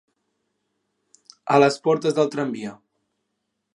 A les portes del tramvia.